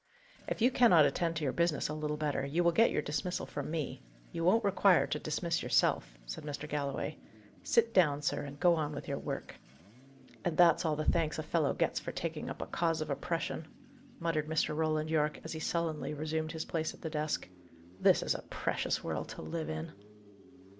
"If you cannot attend to your business a little better, you will get your dismissal from me; you won't require to dismiss yourself," said Mr. Galloway. "Sit down, sir, and go on with your work." "And that's all the thanks a fellow gets for taking up a cause of oppression!" muttered Mr. Roland Yorke, as he sullenly resumed his place at the desk. "This is a precious world to live in!"